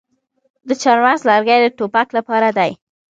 د چهارمغز لرګي د ټوپک لپاره دي.